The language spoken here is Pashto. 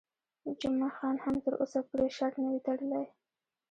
جمعه خان هم تر اوسه پرې شرط نه وي تړلی.